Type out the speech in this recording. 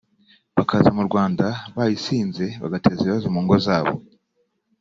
bakaza mu Rwanda bayisinze bagateza ibibazo mu ngo zabo